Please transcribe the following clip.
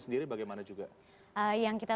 sendiri bagaimana juga yang kita